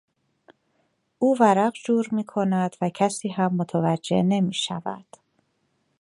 او ورق جور میکند و کسی هم متوجه نمیشود.